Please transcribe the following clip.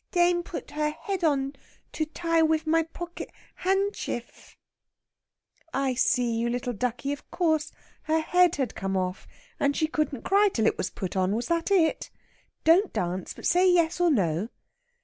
Dane put her head on to ty wiv my pocket hanshtiff!" "I see, you little ducky, of course her head had come off, and she couldn't cry till it was put on, was that it? Don't dance, but say yes or no."